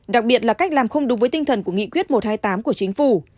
đặc biệt là cách làm không đúng với tinh thần của nghị quyết một trăm hai mươi tám của chính phủ